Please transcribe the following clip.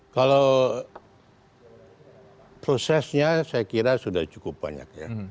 kalau prosesnya saya kira sudah cukup banyak ya